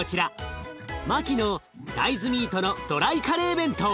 マキの大豆ミートのドライカレー弁当。